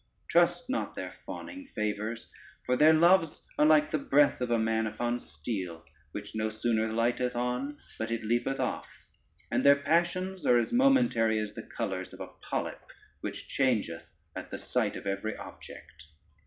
Trust not their fawning favors, for their loves are like the breath of a man upon steel, which no sooner lighteth on but it leapeth off, and their passions are as momentary as the colors of a polype, which changeth at the sight of every object.